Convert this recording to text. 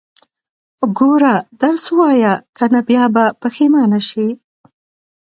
ګوره، درس ووايه، که نه بيا به پښيمانه شې.